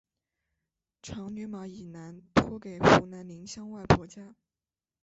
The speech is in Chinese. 长女马以南托给湖南宁乡外婆家。